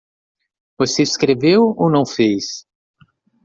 Você escreveu ou não fez?